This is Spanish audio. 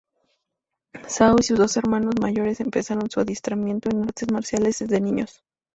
Zhao y sus dos hermanos mayores empezaron su adiestramiento en artes marciales desde niños.